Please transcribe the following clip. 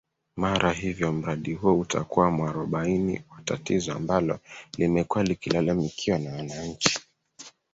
Mara hivyo mradi huo utakuwa mwarobaini wa tatizo ambalo limekuwa likilalamikiwa na wananchi